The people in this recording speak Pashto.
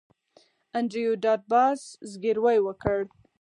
انډریو ډاټ باس زګیروی وکړ